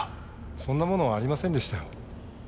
そんなものはありませんでしたよ。